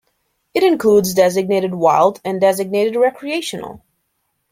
It includes designated "wild" and designated "recreational".